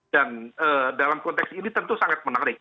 dan dalam konteks ini tentu sangat menarik